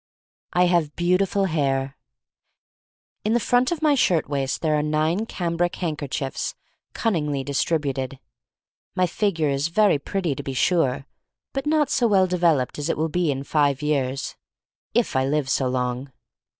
I have beautiful hair. In the front of my shirt waist there are nine cambric handkerchiefs cun ningly distributed. My figure is very pretty, to be sure, but not so well de^ veloped as it will be in five years — if I live so long.